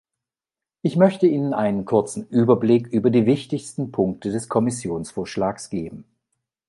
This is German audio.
Ich möchte Ihnen einen kurzen Überblick über die wichtigsten Punkte des Kommissionsvorschlags geben.